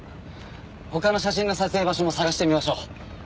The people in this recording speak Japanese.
他の写真の撮影場所も探してみましょう。